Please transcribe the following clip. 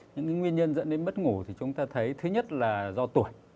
những cái nguyên nhân dẫn đến mất ngủ thì chúng ta thấy thứ nhất là do tuổi